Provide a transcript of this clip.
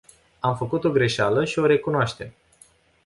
Am făcut o greșeală și o recunoaștem.